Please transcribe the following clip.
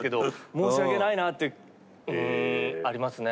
申し訳ないなってありますね。